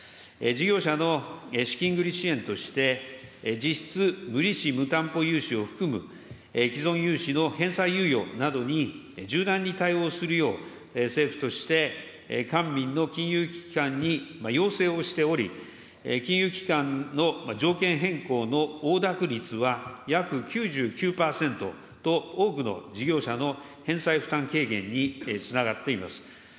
事業者の資金繰り支援として、実質無利子無担保融資を含む既存融資の返済融資などに柔軟に対応するよう、政府として官民の金融機関に要請をしており、金融機関の条件変更の応諾率は約９９％と、多くの事業者の返済負担軽減につながっています。